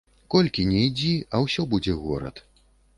Колькі ні ідзі, а ўсё будзе горад.